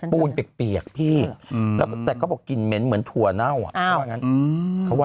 ปูนเปรียกพี่แต่ก็บอกกินเม้นเหมือนถั่วเน่า